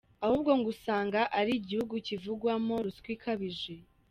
Ahubwo ngo usanga ari igihugu kivugwamo ruswa ikabije.